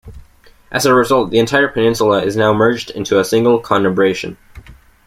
As a result, the entire peninsula is now merged into a single conurbation.